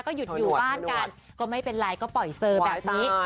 ก็หยุดอยู่บ้านกันก็ไม่เป็นไรก็ปล่อยเซอร์แบบนี้